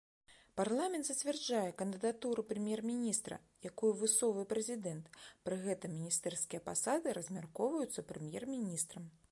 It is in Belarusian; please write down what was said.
Парламент зацвярджае кандыдатуру прэм'ер-міністра, якую высоўвае прэзідэнт, пры гэтым міністэрскія пасады размяркоўваюцца прэм'ер-міністрам.